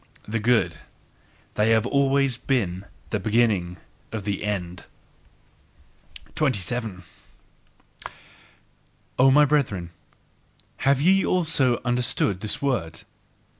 The good they have always been the beginning of the end. 27. O my brethren, have ye also understood this word?